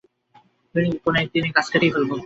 কোনো একদিন এ গাছ কেটেই ফেলবে।